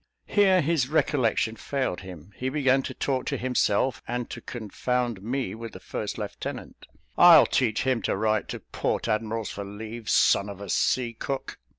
Here his recollection failed him; he began to talk to himself, and to confound me with the first lieutenant. "I'll teach him to write to port admirals for leave son of a sea cook."